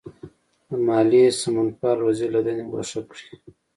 د مالیې سمونپال وزیر له دندې ګوښه کړي.